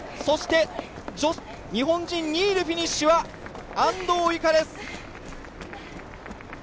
そして、日本人２位でフィニッシュは安藤友香です。